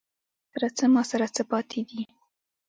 تاســـره څـــه، ما ســـره څه پاتې دي